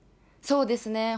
そうですね。